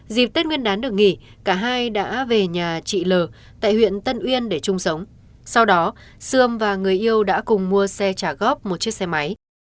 dịp tết nguyên đán được nghỉ cả hai đã về nhà chị l tại huyện tân uyên để chung sống sau đó sươm và người yêu đã cùng mua xe trả góp một chiếc xe máy